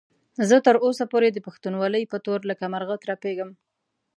زه تر اوسه پورې د پښتونولۍ په تور لکه مرغه ترپېږم.